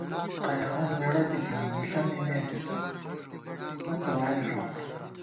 قیامت نېڑہ بِتِنی ، مِݪہ مِمېت غنِمَتہ واری ݫوت